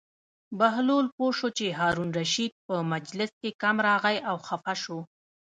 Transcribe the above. بهلول پوه شو چې هارون الرشید په مجلس کې کم راغی او خپه شو.